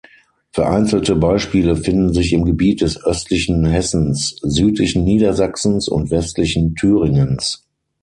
Vereinzelte Beispiele finden sich im Gebiet des östlichen Hessens, südlichen Niedersachsens und westlichen Thüringens.